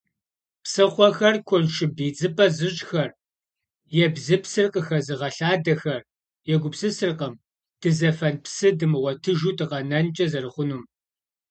Псыхъуэхэр куэншыб идзыпӀэ зыщӀхэр, ебзыпсыр къыхэзыгъэлъадэхэр егупсысыркъым дызэфэн псы дымыгъуэтыжу дыкъэнэнкӀэ зэрыхъунум.